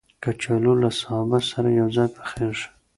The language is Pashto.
کچالو له سابه سره یو ځای پخېږي